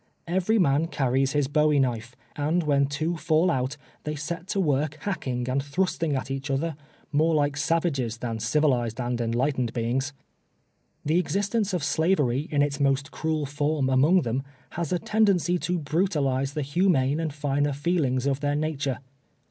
Every man carries his bowie knife, and when two fall out, they set to work hacking and thrusting at each other, more like savages than civ ilized and enlightened beings. Tlie existence of Slavery in its most cruel form among them, has a tendency to brutalize the humane and finer feelings of their nature.